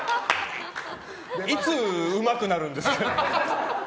いつうまくなるんですか？